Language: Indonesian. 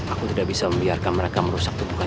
aku tidak bisa membiarkan mereka merusak tubuhku